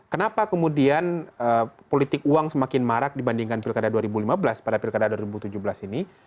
kenapa kemudian politik uang semakin marak dibandingkan pilkada dua ribu lima belas pada pilkada dua ribu tujuh belas ini